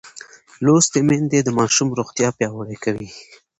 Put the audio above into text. لوستې میندې د ماشوم روغتیا پیاوړې کوي.